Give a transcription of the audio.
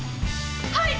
はい！